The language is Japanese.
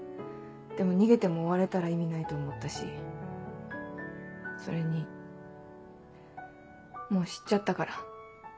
でも逃げても追われたら意味ないと思ったしそれにもう知っちゃったから。